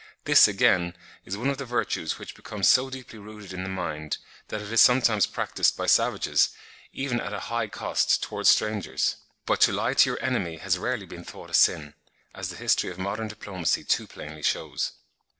This, again, is one of the virtues which becomes so deeply rooted in the mind, that it is sometimes practised by savages, even at a high cost, towards strangers; but to lie to your enemy has rarely been thought a sin, as the history of modern diplomacy too plainly shews.